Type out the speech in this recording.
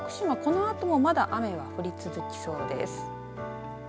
このあともまだ雨が降り続きそうです。